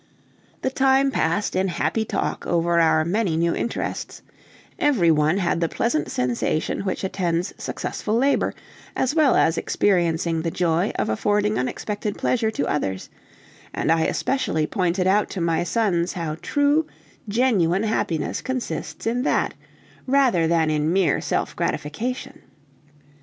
The time passed in happy talk over our many new interests; every one had the pleasant sensation which attends successful labor, as well as experiencing the joy of affording unexpected pleasure to others; and I especially pointed out to my sons how true, genuine happiness consists in that, rather than in mere self gratification.